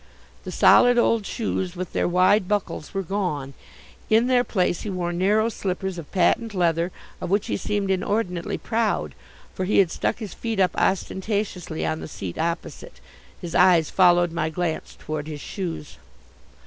The solid old shoes with their wide buckles were gone. In their place he wore narrow slippers of patent leather of which he seemed inordinately proud, for he had stuck his feet up ostentatiously on the seat opposite. His eyes followed my glance toward his shoes.